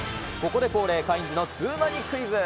ここで恒例、カインズのツウマニクイズ！